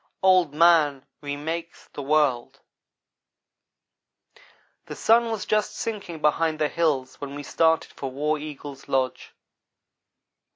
OLD MAN REMAKES THE WORLD THE sun was just sinking behind the hills when we started for War Eagle's lodge.